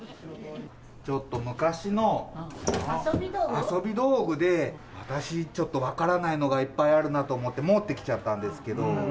ちょっと昔の遊び道具で、私、ちょっと分からないのがいっぱいあるなと思って、持ってきちゃったんですけど。